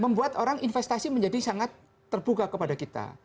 membuat orang investasi menjadi sangat terbuka kepada kita